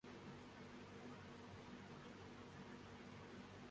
champions League football semi final میں Real Madrid کے ہاتھوں بائرن میونخ کو شکست